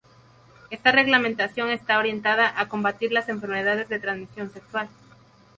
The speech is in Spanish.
Esta reglamentación estaba orientada a combatir las enfermedades de transmisión sexual.